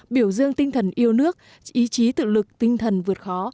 biểu dương tinh thần yêu nước ý chí tự lực tinh thần vượt khó